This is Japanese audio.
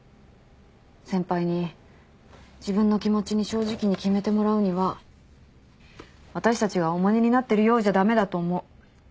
先輩に自分の気持ちに正直に決めてもらうには私たちが重荷になってるようじゃ駄目だと思う。